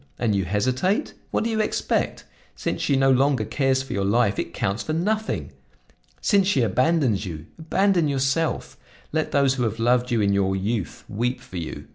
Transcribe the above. And you hesitate? What do you expect? Since she no longer cares for your life, it counts for nothing! Since she abandons you, abandon yourself! Let those who have loved you in your youth weep for you!